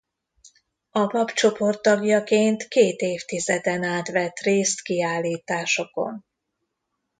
A Papp-csoport tagjaként két évtizeden át vett részt kiállításokon.